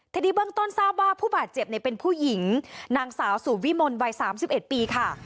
ทีนี้เบื้องต้นทราบว่าผู้บาดเจ็บในเป็นผู้หญิงนางสาวสูบวิมนต์วายสามสิบเอ็ดปีค่ะ